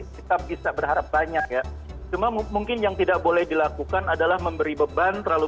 tetap bisa berharap banyak ya cuma mungkin yang tidak boleh dilakukan adalah memberi beban terlalu